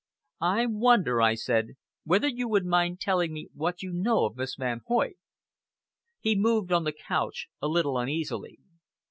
"I wonder," I said, "whether you would mind telling me what you know of Miss Van Hoyt?" He moved on the couch a little uneasily.